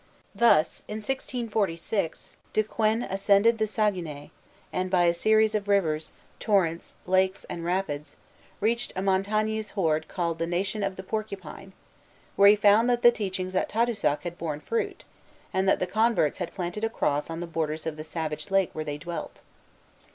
Thus, in 1646, De Quen ascended the Saguenay, and, by a series of rivers, torrents, lakes, and rapids, reached a Montagnais horde called the Nation of the Porcupine, where he found that the teachings at Tadoussac had borne fruit, and that the converts had planted a cross on the borders of the savage lake where they dwelt.